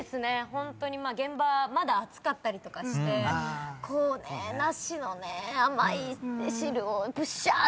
ホントに現場まだ暑かったりとかしてこうね梨のね甘い汁をブッシャーと。